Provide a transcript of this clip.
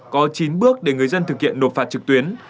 có chín bước để người dân thực hiện nộp phạt trực tuyến